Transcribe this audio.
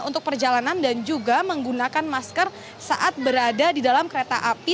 untuk perjalanan dan juga menggunakan masker saat berada di dalam kereta api